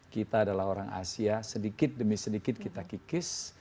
kita adalah orang asia sedikit demi sedikit kita kikis